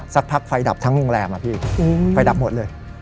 สักพักไฟดับทั้งโรงแรมอะพี่ไฟดับหมดเลย